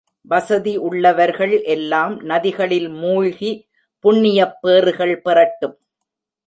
வசதி உள்ளவர்கள் எல்லாம் நதிகளில் மூழ்கி, புண்ணியப் பேறுகள் பெறட்டும்.